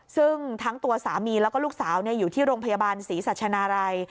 ซึ่งทั้งตัวสามีแล้วก็ลูกสาวอยู่ที่โรงพยาบาลศรีสัชนาลัย